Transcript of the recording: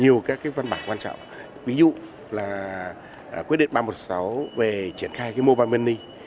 nhiều các cái văn bản quan trọng ví dụ là quyết định ba trăm một mươi sáu về triển khai cái mobile money